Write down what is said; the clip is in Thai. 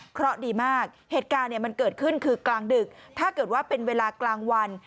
เพราะดีมากเหตุการณ์เนี่ยมันเกิดขึ้นคือกลางดึกถ้าเกิดว่าเป็นเวลากลางวัน